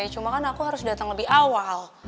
cuma kan aku harus datang lebih awal